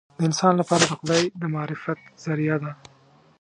د انسان لپاره د خدای د معرفت ذریعه ده.